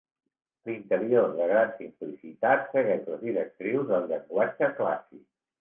L'interior, de gran simplicitat, segueix les directrius del llenguatge clàssic.